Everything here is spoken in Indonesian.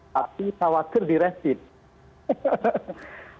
tapi khawatir diresidu